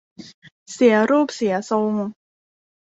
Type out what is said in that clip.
เสียรูปเสียทรง